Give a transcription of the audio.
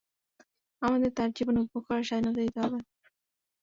আমাদের তার জীবন উপভোগ করার স্বাধীনতা দিতে হবে।